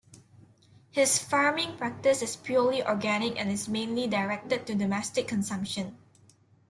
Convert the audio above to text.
His farming practice is purely organic and is mainly directed to domestic consumption.